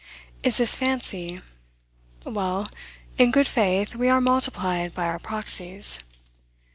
Is this fancy? Well, in good faith, we are multiplied by our proxies.